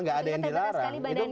enggak ada yang dilarang